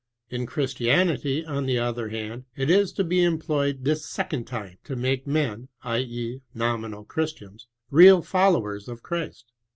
In Christianity, on the other hana, it is to be employed this sec ond time to make men {i,e,, nominal Chris tians) real followers of Christ.